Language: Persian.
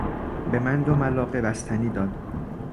به من دو ملاقه بستنی داد.